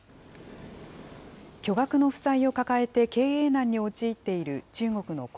巨額の負債を抱えて経営難に陥っている中国の恒